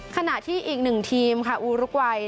ขณะที่อีกหนึ่งทีมค่ะอูรุกวัย